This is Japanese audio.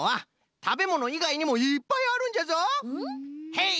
ヘイ！